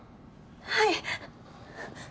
はい。